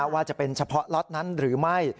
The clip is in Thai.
ว่าจะเป็นเฉพาะล็อตนั้นหรือไม่